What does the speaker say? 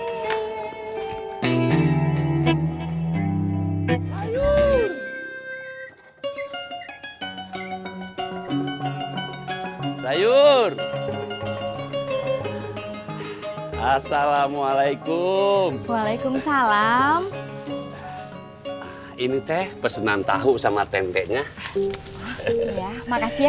sayur sayur assalamualaikum waalaikumsalam ini teh pesenan tahu sama tentenya makasih ya